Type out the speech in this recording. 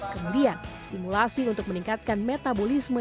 kemudian stimulasi untuk meningkatkan metabolisme